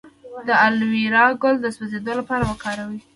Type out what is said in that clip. د الوویرا ګل د سوځیدو لپاره وکاروئ